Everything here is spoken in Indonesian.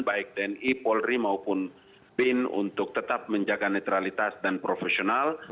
baik tni polri maupun bin untuk tetap menjaga netralitas dan profesional